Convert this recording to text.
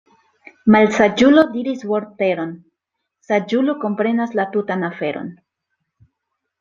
Malsaĝulo diris vorteron, saĝulo komprenas la tutan aferon.